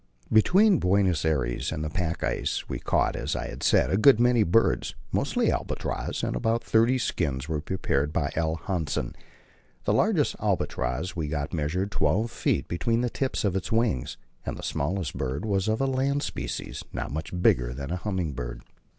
Between Buenos Aires and the pack ice we caught, as I have said, a good many birds, mostly albatrosses, and about thirty skins were prepared by L. Hansen. The largest albatross we got measured twelve feet between the tips of its wings, and the smallest bird was of a land species, not much bigger than a humming bird.